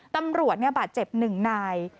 ตำรวจบาดเจ็บ๑นาย